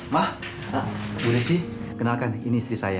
mah bu desi kenalkan ini istri saya